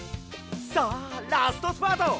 さあラストスパート！